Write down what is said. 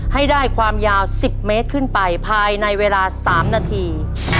ให้ได้ความยาว๑๐เมตรขึ้นไปภายในเวลา๓นาที